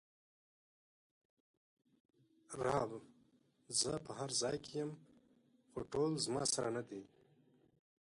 رب: زه په هر ځای کې ېم خو ټول زما سره ندي!